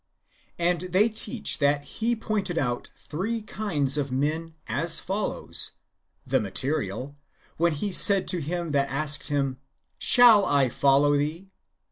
And they teach that He pointed out the three kinds of men as follows : the 7nate7nal, when He said to him that asked Him, "Shall I follow Thee?"'